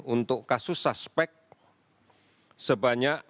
untuk kasus suspek sebanyak empat puluh tujuh delapan ratus orang